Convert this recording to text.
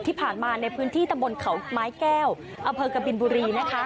ที่ผ่านมาในพื้นที่ตำบลเขาไม้แก้วอำเภอกบินบุรีนะคะ